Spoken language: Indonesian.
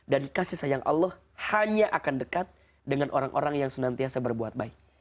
dan kasih sayang allah hanya akan dekat dengan orang orang yang senantiasa berbuat baik